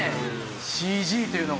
ＣＧというのが。